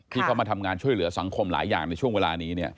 เข้ามาทำงานช่วยเหลือสังคมหลายอย่างในช่วงเวลานี้